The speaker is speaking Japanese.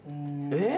えっ？